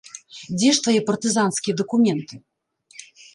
Дзе ж твае партызанскія дакументы!